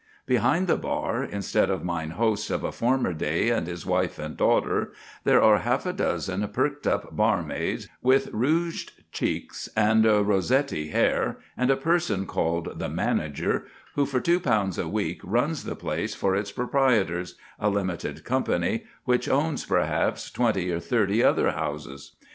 Behind the bar, instead of mine host of a former day and his wife and daughter, there are half a dozen perked up barmaids with rouged cheeks and Rossetti hair, and a person called the manager, who for £2 a week runs the place for its proprietors a Limited Company, which owns, perhaps, twenty or thirty other houses.